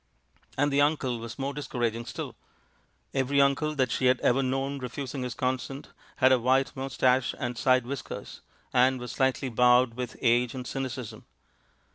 And the uncle was more discouraging still. Every uncle that she had ever known refusing his consent had a white moustache and side whiskers, and was slightly bowed with age and cynicism.